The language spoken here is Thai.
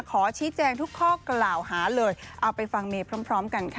ขอชี้แจงทุกข้อกล่าวหาเลยเอาไปฟังเมย์พร้อมกันค่ะ